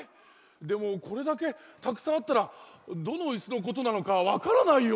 でもこれだけたくさんあったらどのイスのことなのかわからないよ。